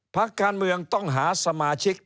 พักการเมืองต้องหาสมาชิก